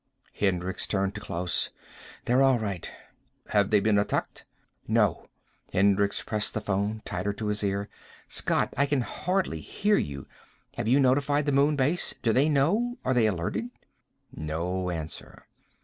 Hendricks turned to Klaus. "They're all right." "Have they been attacked?" "No." Hendricks pressed the phone tighter to his ear. "Scott, I can hardly hear you. Have you notified the Moon Base? Do they know? Are they alerted?" No answer.